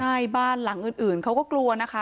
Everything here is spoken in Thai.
ใช่บ้านหลังอื่นเขาก็กลัวนะคะ